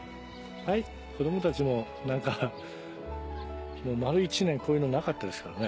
子供たちも何か丸一年こういうのなかったですからね。